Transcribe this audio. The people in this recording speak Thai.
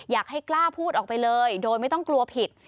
อยากให้กล้าพูดออกไปเลยโดยไม่ต้องกลัวผิด